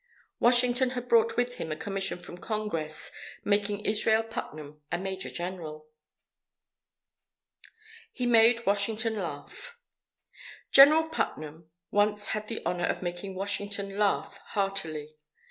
Washington had brought with him a commission from Congress, making Israel Putnam a Major General. HE MADE WASHINGTON LAUGH General Putnam once had the honour of making Washington laugh heartily.